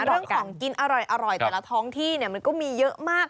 เรื่องของกินอร่อยแต่ละท้องที่มันก็มีเยอะมาก